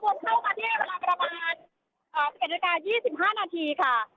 ขบวนเข้ามาที่เวลาประมาณ๑๑๒๕นาทีค่ะ